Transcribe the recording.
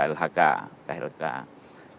sehingga sebelum kita membangun kita harus membangun